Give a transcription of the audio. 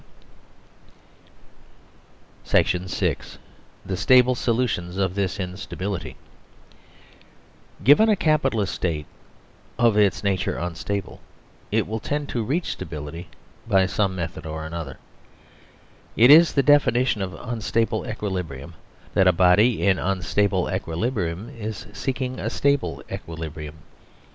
SECTION SIX THE STABLE SOLUTIONS OF THIS INSTABILITY SECTION THE SIXTH THE STABLE SOLUTIONS OF THIS INSTABILITY GIVEN A CAPITALIST STATE, OF ITS nature unstable, it will tend to reach stability by some method or another. It is the definition of unstable equilibrium that a body in unstable equilibrium is seeking a stable equilibrium.